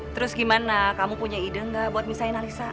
terus gimana kamu punya ide enggak buat misahin alisa